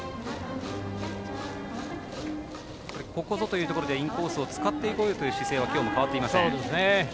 ここぞというところでインコースを使っていこうという姿勢は今日も変わっていません。